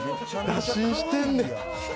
打診してんねん！